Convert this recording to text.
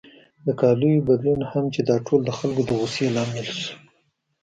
د کالیو بدلون هم چې دا ټول د خلکو د غوسې لامل شو.